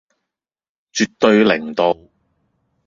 絕對零度